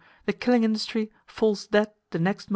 the killing industry falls dead the next moment.